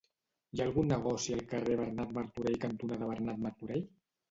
Hi ha algun negoci al carrer Bernat Martorell cantonada Bernat Martorell?